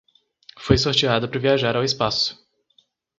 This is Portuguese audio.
Foi sorteado para viajar ao espaço